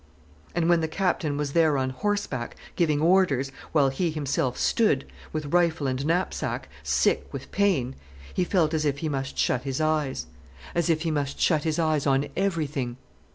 And when the Captain was there on horseback, giving orders, while he himself stood, with rifle and knapsack, sick with pain, he felt as if he must shut his eyes—as if he must shut his eyes on everything.